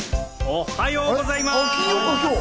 おはようございます！